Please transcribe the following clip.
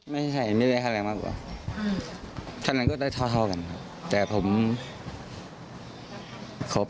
ไม่ใช่ไม่ใช่ค่าแรงมากกว่า